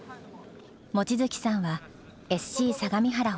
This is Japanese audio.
望月さんはＳＣ相模原を立ち上げた。